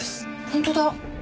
本当だ。